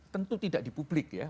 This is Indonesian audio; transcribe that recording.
tentu tidak di publik ya